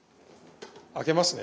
開けますね。